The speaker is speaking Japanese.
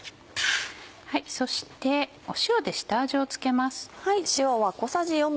そして塩で下味を付けます。